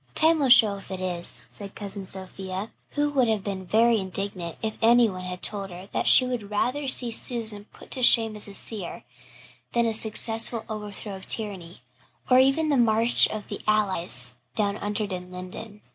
"Time will show if it is," said Cousin Sophia, who would have been very indignant if anyone had told her that she would rather see Susan put to shame as a seer, than a successful overthrow of tyranny, or even the march of the Allies down Unter den Linden.